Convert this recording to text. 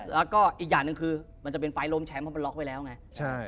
แล้วก็อีกอย่างหนึ่งคือมันจะเป็นไฟล์ล้มแชมป์เพราะมันล็อกไว้แล้วไง